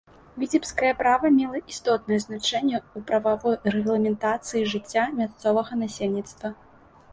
Віцебскае права мела істотнае значэнне ў прававой рэгламентацыі жыцця мясцовага насельніцтва.